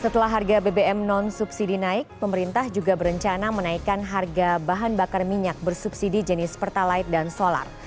setelah harga bbm non subsidi naik pemerintah juga berencana menaikkan harga bahan bakar minyak bersubsidi jenis pertalite dan solar